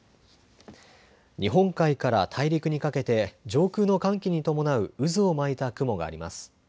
日本海から大陸にかけて上空の寒気に伴う渦を巻いた雲があります。